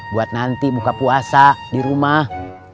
buat nanti buka puasa di rumah